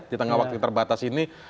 tentang waktu yang terbatas ini